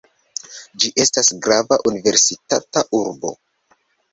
Ĝi estas grava universitata urbo.